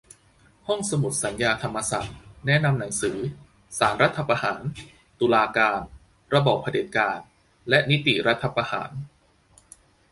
ห้องสมุดสัญญา ธรรมศักดิ์ แนะนำหนังสือ "ศาลรัฐประหาร : ตุลาการ ระบอบเผด็จการ และนิติรัฐประหาร"